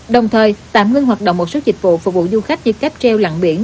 đồng thời tạm ngưng hoạt động một số dịch vụ phục vụ du khách như cáp treo lặng biển